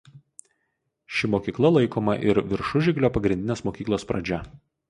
Ši mokykla laikoma ir Viršužiglio pagrindinės mokyklos pradžia.